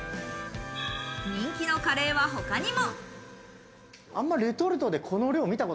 人気のカレーは他にも。